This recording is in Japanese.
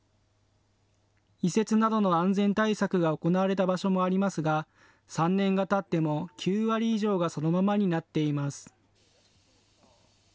移設などの安全対策が行われた場所もありますが３年がたっても９割以上がそのままになっています。